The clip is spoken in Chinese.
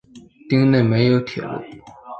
町内没有铁路。